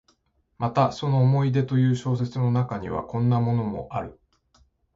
またその「思い出」という小説の中には、こんなのもある。